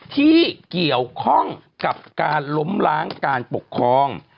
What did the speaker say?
ที่เกี่ยวข้องกับการล้มล้างการปกครอง